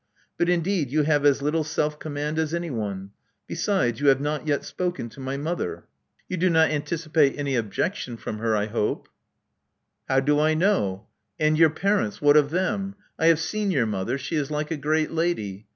But indeed you have as little self command as anyone. Besides, you have not yet spoken to my mother." Love Among the Artists 223 You do not anticipate any objection from her, I hope." How do I know? And your parents, what of them? I have seen your mother: she is like a great lady.